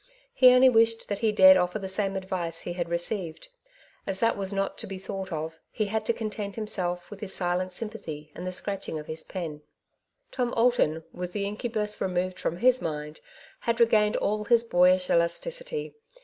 He only wished that he dared offer the same advice he had received. As that was not to be thought of, he had to content himself with his silent sympathy and the scratching of his pen. Tom Alton with the incubus removed from his mind had regained all his boyish elasticity.